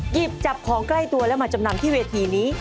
หยิบจับของใกล้ตัวแล้วมาจำนำที่เวทีนี้